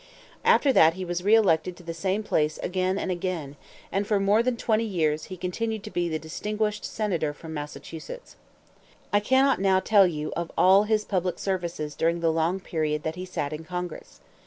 After that he was re elected to the same place again and again; and for more than twenty years he continued to be the distinguished senator from Massachusetts. I cannot now tell you of all his public services during the long period that he sat in Congress.